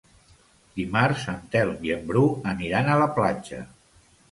Dimarts en Telm i en Bru aniran a la platja.